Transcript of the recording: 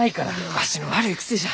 わしの悪い癖じゃ。